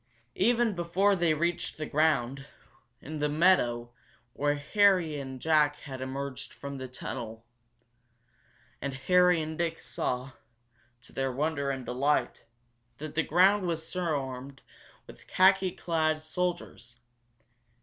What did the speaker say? Even before they reached the ground, in the meadow where Harry and Jack had emerged from the tunnel, and Harry and Dick saw, to their wonder and delight, that the ground swarmed with khaki clad soldiers.